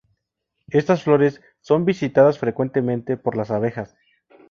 Estas flores son visitadas frecuentemente por las abejas.